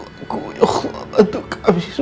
saya akan sedikit berpikir